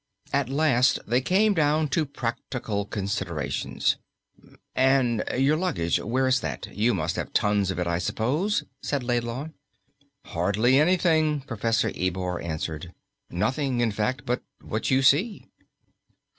At last they came down to practical considerations. "And your luggage where is that? You must have tons of it, I suppose?" said Laidlaw. "Hardly anything," Professor Ebor answered. "Nothing, in fact, but what you see."